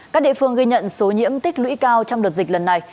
các địa phương ghi nhận số nhiễm tích lũy cao trong đợt dịch lần này